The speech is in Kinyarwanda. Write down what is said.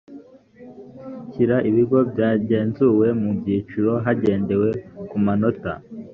ishyira ibigo byagenzuwe mu byiciro hagendewe ku manota